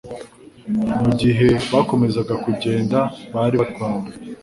Mu gihe bakomezaga kugenda, bari batwawe